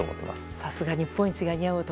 さすが日本一が似合う男